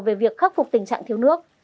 về việc khắc phục tình trạng thiếu nước